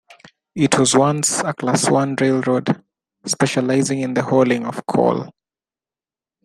It was once a Class One railroad, specializing in the hauling of coal.